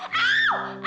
kau gila juga